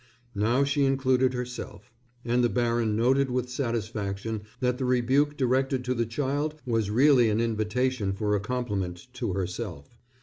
Now she included herself, and the baron noted with satisfaction that the rebuke directed to the child was really an invitation for a compliment to herself.